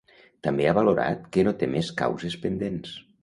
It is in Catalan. També ha valorat que no té més causes pendents.